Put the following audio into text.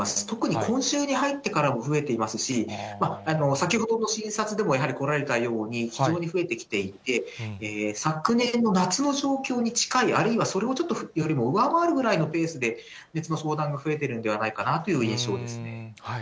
特に今週に入ってからも増えていますし、先ほどの診察でもやはり来られたように、非常に増えてきていて、昨年の夏の状況に近い、あるいはそれをちょっと上回るぐらいのペースで、熱の相談が増えているんではないかなという印象ですね。